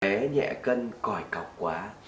thế nhẹ cân còi cọc quá